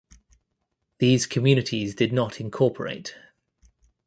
These communities did not incorporate.